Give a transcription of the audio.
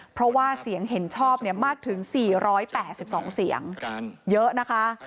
เพราะว่าเสียงเห็นชอบมากถึง๔๘๒เสียงเยอะนะคะ